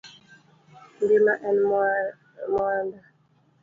Ngima en mwanda.